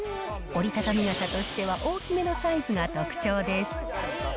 折りたたみ傘としては大きめのサイズが特徴です。